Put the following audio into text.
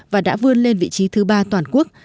và đã vươn lên vị trí thứ ba toàn quốc